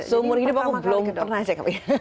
seumur hidup aku belum pernah check up